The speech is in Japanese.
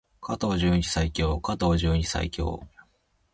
加藤純一最強！加藤純一最強！